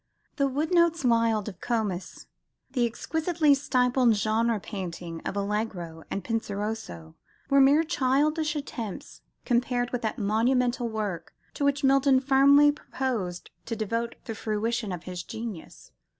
The "woodnotes wild" of Comus, the exquisitely stippled genre painting of Allegro and Penseroso, were mere childish attempts compared with that monumental work to which Milton firmly proposed to devote the fruition of his genius.